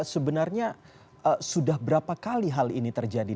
sebenarnya sudah berapa kali hal ini terjadi